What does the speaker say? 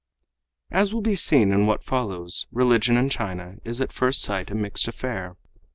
As will be seen in what follows, religion in China is at first sight a mixed affair.